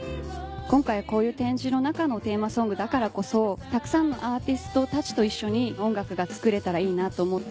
今回はこういう展示の中のテーマソングだからこそたくさんのアーティストたちと一緒に音楽が作れたらいいなと思って。